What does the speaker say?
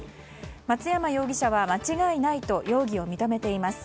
松山容疑者は間違いないと容疑を認めています。